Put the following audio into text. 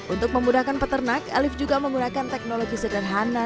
untuk memudahkan peternak alif juga menggunakan teknologi sederhana